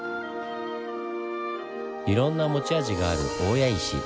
いろんな持ち味がある大谷石。